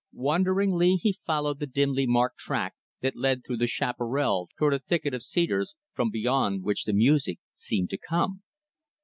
Wonderingly he followed the dimly marked track that led through the chaparral toward a thicket of cedars, from beyond which the music seemed to come.